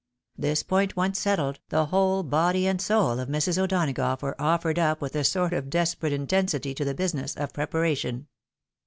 This point once settled, the whole body and soul of Mrs. O'Donagough were offered up with a sort of desperate intensity to the business of preparation.